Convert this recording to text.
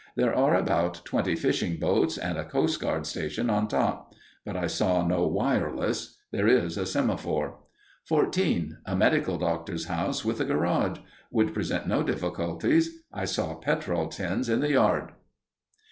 There are about twenty fishing boats, and a coastguard station on top; but I saw no wireless. There is a semaphore._ 14. _A medical doctor's house with a garage. Would present no difficulties. I saw petrol tins in the yard.